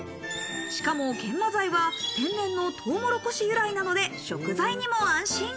しかも研磨剤は天然のトウモロコシ由来なので食材にも安心。